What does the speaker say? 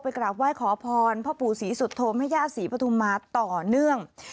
ไปกราบไหว้ขอพรพระปู่ศรีสุธมหญ้าศรีปทุมมาต่อเนื่อง